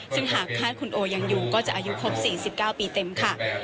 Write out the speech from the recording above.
ซึ่งหากคาดคุณโอยังอยู่ก็จะอายุครบ๔๙ปีเต็มค่ะ